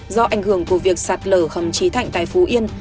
do ảnh hưởng của việc sạt lở hầm trí thạnh tại phú yên